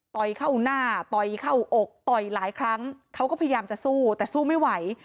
เข้าหน้าต่อยเข้าอกต่อยหลายครั้งเขาก็พยายามจะสู้แต่สู้ไม่ไหว